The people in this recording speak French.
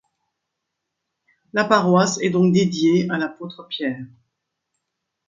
La paroisse est donc dédiée à l'apôtre Pierre.